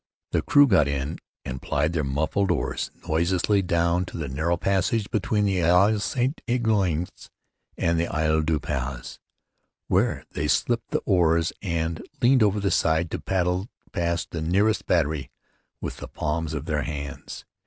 The crew got in and plied their muffled oars noiselessly down to the narrow passage between Isle St Ignace and the Isle du Pas, where they shipped the oars and leaned over the side to paddle past the nearest battery with the palms of their hands.